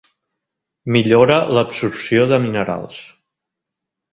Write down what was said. Millora l'absorció de minerals.